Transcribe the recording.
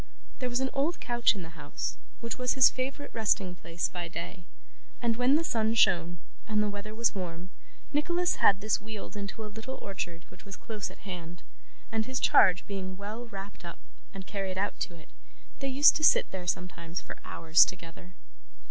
There was an old couch in the house, which was his favourite resting place by day; and when the sun shone, and the weather was warm, Nicholas had this wheeled into a little orchard which was close at hand, and his charge being well wrapped up and carried out to it, they used to sit there sometimes for hours together.